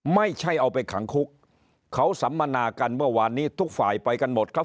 ไม่ใช่เอาไปขังคุกเขาสัมมนากันเมื่อวานนี้ทุกฝ่ายไปกันหมดครับ